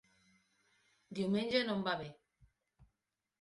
Diumenge no em va bé.